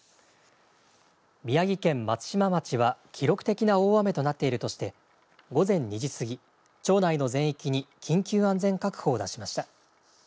宮城県松島町は、記録的な大雨となっているとして、午前２時過ぎ、町内の全域に緊急安全確保を出しました。